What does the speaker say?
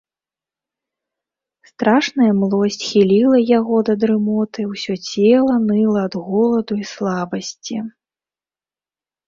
Страшная млосць хіліла яго да дрымоты, усё цела ныла ад голаду і слабасці.